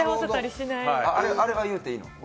あれは言うていいの？